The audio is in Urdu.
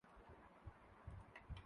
ٹی ٹؤنٹی کو بنیاد بنا کر